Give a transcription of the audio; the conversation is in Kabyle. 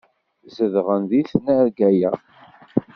Zedɣen di tnarga-ya.